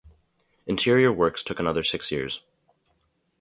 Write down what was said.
Interior works took another six years.